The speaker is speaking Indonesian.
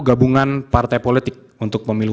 gabungan partai politik untuk pemilu